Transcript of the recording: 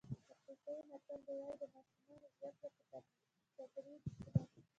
افریقایي متل وایي د ماشومانو زده کړه په تدریج ده.